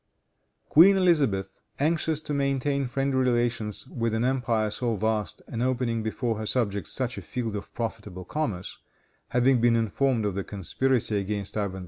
Queen Elizabeth, anxious to maintain friendly relations with an empire so vast, and opening before her subjects such a field of profitable commerce, having been informed of the conspiracy against Ivan IV.